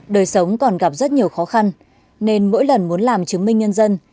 đời sống còn gặp rất nhiều khó khăn nên mỗi lần muốn làm chứng minh nhân dân